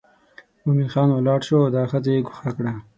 مومن خان ولاړ شو او دا ښځه یې ګوښه کړه.